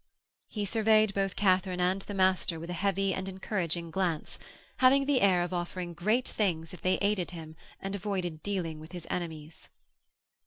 He surveyed both Katharine and the master with a heavy and encouraging glance, having the air of offering great things if they aided him and avoided dealing with his enemies.